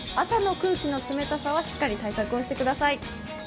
朝の空気の冷たさはしっかり対策をしてください。